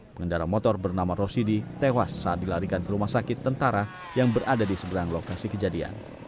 pengendara motor bernama rosidi tewas saat dilarikan ke rumah sakit tentara yang berada di seberang lokasi kejadian